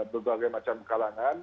berbagai macam kalangan